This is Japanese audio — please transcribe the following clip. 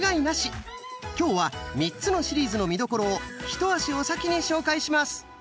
今日は３つのシリーズの見どころを一足お先に紹介します。